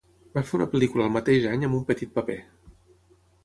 Va fer una pel·lícula el mateix any amb un petit paper.